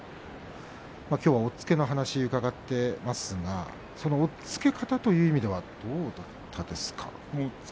きょうは押っつけの話を伺っていますが押っつけ方という意味ではどうだったですか。